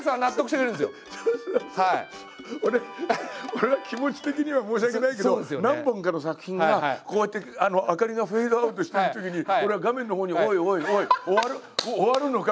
俺気持ち的には申し訳ないけど何本かの作品がこうやって明かりがフェードアウトしていくときに俺は画面のほうに「おいおいおい！終わる？終わるのか？